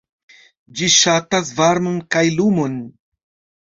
Ĝi ŝatas varmon kaj lumon.